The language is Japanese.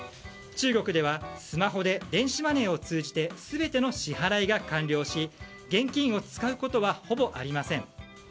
中国ではスマホで電子マネーを通じて全ての支払いが完了し現金を使うことはほぼありません。